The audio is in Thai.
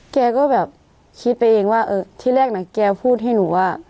แกก็แบบคิดไปเองว่าเออที่แรกนะแกพูดให้หนูว่า